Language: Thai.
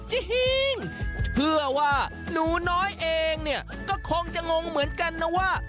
จริงเชื่อว่าหนูน้อยเองเนี่ยก็คงจะงงเหมือนกันนะว่า